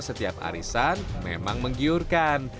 setiap arisan memang menggiurkan